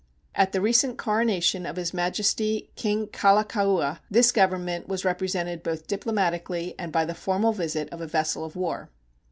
At the recent coronation of His Majesty King Kalakaua this Government was represented both diplomatically and by the formal visit of a vessel of war.